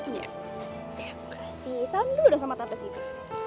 makasih salam dulu dong sama tante siti